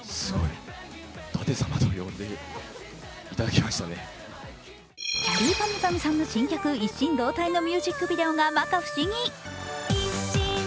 きゃりーぱみゅぱみゅさんの新曲「一心同体」のミュージックビデオがまか不思議。